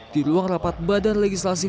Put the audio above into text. di ruang rapat badan legislasi